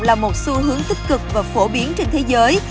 là một xu hướng tích cực và phổ biến trên thế giới